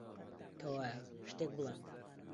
کەوایە، شتێک بڵێن!